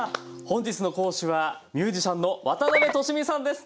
本日の講師はミュージシャンの渡辺俊美さんです。